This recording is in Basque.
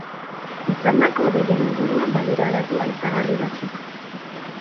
Izandako deien inguruan badira datu aipagarri batzuk.